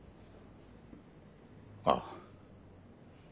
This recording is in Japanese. ああ。